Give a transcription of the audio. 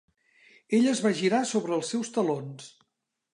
Ell es va girar sobre els seus talons.